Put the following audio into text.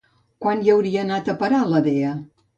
Quan hi hauria anat a parar la dea?